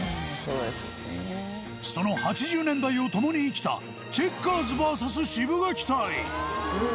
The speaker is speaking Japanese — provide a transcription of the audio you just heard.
その８０年代を共に生きたチェッカーズＶＳシブがき隊。